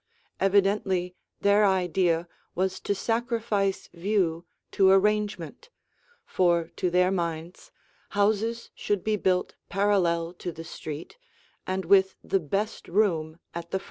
Evidently their idea was to sacrifice view to arrangement, for to their minds, houses should be built parallel to the street and with the "best room" at the front.